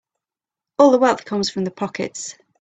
All the wealth comes from the pockets.